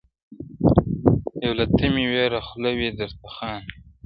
یو له تمي ویړه خوله وي درته خاندي -